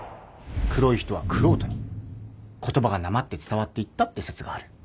黒い人は玄人に言葉がなまって伝わっていったって説がある